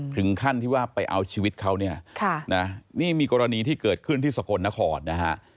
ถึงขั้นที่ว่าไปเอาชีวิตเขาเนี่ยนี่มีกรณีที่เกิดขึ้นที่สกลนครนะฮะ